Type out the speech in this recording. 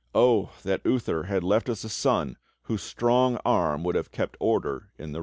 Oh! that Uther had left us a son whose strong arm would have kept order in the realm!"